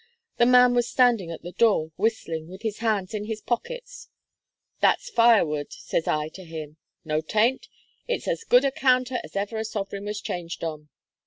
The man was standing at the door, whistling, with his hands in his pockets. 'That's fire wood,' says I to him. 'No 'tain't, it's as good a counter as ever a sovereign was changed on.'